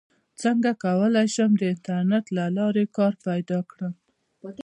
څنګه کولی شم د انټرنیټ له لارې کار پیدا کړم